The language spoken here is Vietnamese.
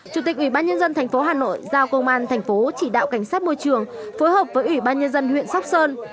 chủ tịch ủy ban nhân dân thành phố hà nội giao công an thành phố chỉ đạo cảnh sát môi trường phối hợp với ủy ban nhân dân huyện sóc sơn